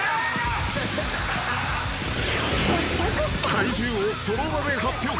［体重をその場で発表か？